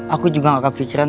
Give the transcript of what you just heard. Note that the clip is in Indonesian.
aku juga nggak kefikiran